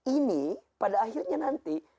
ini pada akhirnya nanti